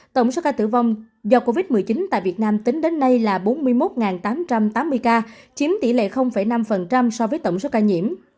tổng số ca tử vong do covid một mươi chín tại việt nam tính đến nay là bốn mươi một tám trăm tám mươi ca chiếm tỷ lệ năm so với tổng số ca nhiễm